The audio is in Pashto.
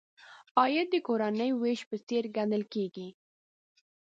عاید د کورنۍ وېش په څېر ګڼل کیږي.